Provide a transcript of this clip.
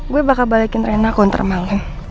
gue bakal balikin tren aku untuk malem